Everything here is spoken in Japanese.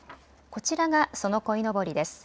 こちらが、そのこいのぼりです。